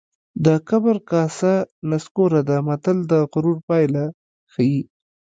د کبر کاسه نسکوره ده متل د غرور پایله ښيي